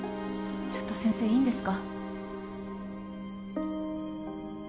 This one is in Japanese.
ちょっと先生いいんですか？